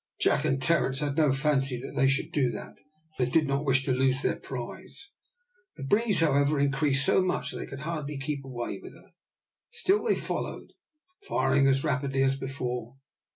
Jack and Terence had no fancy that they should do that, as they did not wish to lose their prize. The breeze, however, increased so much that they could hardly keep way with her. Still they followed, firing as rapidly as before.